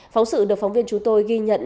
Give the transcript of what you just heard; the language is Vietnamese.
phóng sự được phóng viên chúng tôi ghi nhận